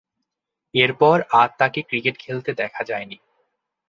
এরপর আর তাকে ক্রিকেট খেলতে দেখা যায়নি।